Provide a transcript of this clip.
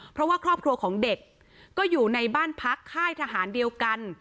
เพราะว่าครอบครัวของเด็กก็อยู่ในบ้านพักค่ายทหารเดียวกัน